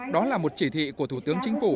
đó là một chỉ thị của thủ tướng chính phủ